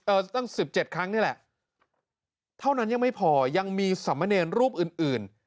ตั้งสิบเจ็ดครั้งนี่แหละเท่านั้นยังไม่พอยังมีสมเนรรูปอื่นอื่น